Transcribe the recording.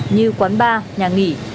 như quán bar nhà nghỉ